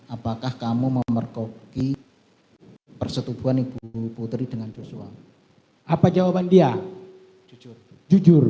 apakah kamu memergoki persetubuhan ibu putri dengan jual apa jawaban dia jujur